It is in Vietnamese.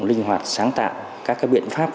linh hoạt sáng tạo các cái biện pháp